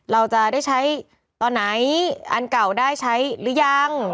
เราจะได้ใช้ตอนไหนอันเก่าได้ใช้หรือยัง